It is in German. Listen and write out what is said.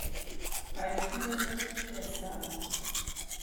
Beispiele sind "Gestern.